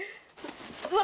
うわ